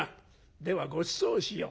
ではごちそうしよう。